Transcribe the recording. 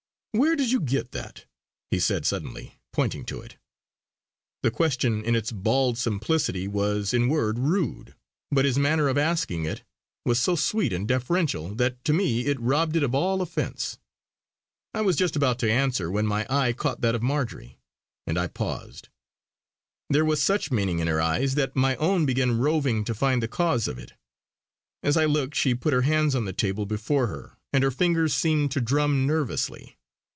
"Where did you get that?" he said suddenly, pointing to it. The question in its bald simplicity was in word rude, but his manner of asking it was so sweet and deferential that to me it robbed it of all offence. I was just about to answer when my eye caught that of Marjory, and I paused. There was such meaning in her eyes that my own began roving to find the cause of it. As I looked she put her hands on the table before her, and her fingers seemed to drum nervously.